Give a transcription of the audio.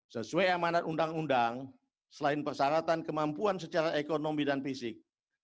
sesuai amanat undang undang selain persyaratan kemampuan secara ekonomi dan fisik